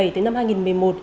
tới năm hai nghìn một mươi một